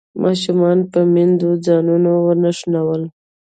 ماشومانو پر میندو ځانونه ونښلول.